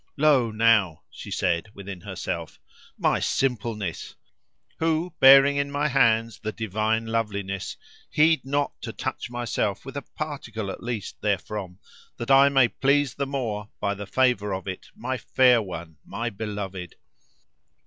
"Lo! now," she said within herself, "my simpleness! who bearing in my hands the divine loveliness, heed not to touch myself with a particle at least therefrom, that I may please the more, by the favour of it, my fair one, my beloved."